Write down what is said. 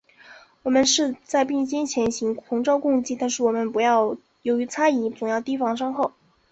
我们是在并肩前行，同舟共济，但是我们不要由于猜疑，总要提防身后。